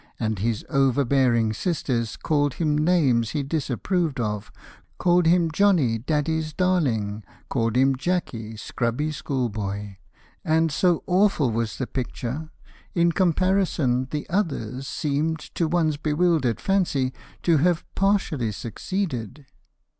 And his overbearing sisters Called him names he disapproved of: Called him Johnny, 'Daddy's Darling,' Called him Jacky, 'Scrubby School boy.' And, so awful was the picture, In comparison the others Seemed, to one's bewildered fancy, To have partially succeeded.